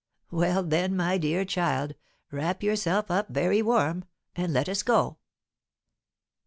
"Well, then, my dear child, wrap yourself up very warm, and let us go."